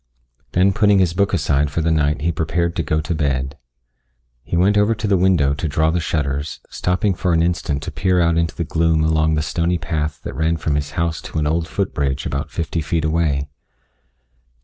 Then putting his book aside for the night he prepared to go to bed. He went over to the window to draw the shutters, stopping for an instant to peer out into the gloom along the stony path that ran from his house to an old foot bridge about fifty feet away.